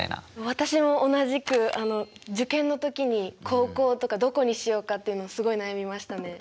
私も同じくあの受験の時に高校とかどこにしようかっていうのをすごい悩みましたね。